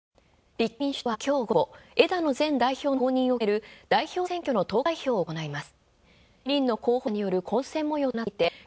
立憲民主党はきょう午後、枝野前代表の後任を決める代表選挙の投開票を行います。